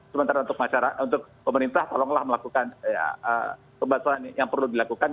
sementara untuk masyarakat untuk pemerintah tolonglah melakukan pembatalan yang perlu dilakukan